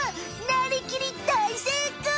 なりきり大成功！